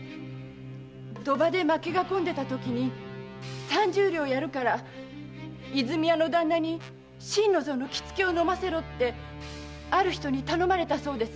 賭場で負けが込んでたときに三十両やるから和泉屋の旦那に心の臓の気付けを飲ませろってある人に頼まれたそうです。